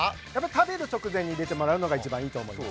食べる直前に入れていただくのが一番いいと思います。